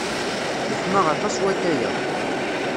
Yeḥma aṭas watay-a.